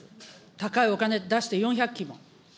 高いお金出して４００機も。